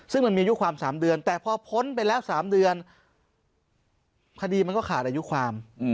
ซึ่งมันมีอายุความ๓เดือนแต่พอพ้นไปแล้ว๓เดือนคดีมันก็ขาดอายุความ